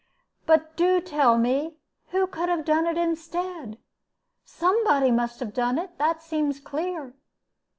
But do tell me who could have done it instead. Somebody must have done it; that seems clear."